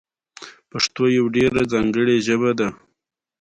د سرو زرو نه زنګېږي.